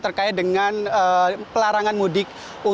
terkait dengan pelarangan mudik